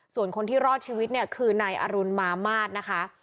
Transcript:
ส่วนคนที่รอดชีวิตเนี่ยคือนายอรุณมามาตรนะคะ